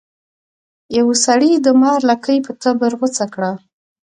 یو سړي د مار لکۍ په تبر غوڅه کړه.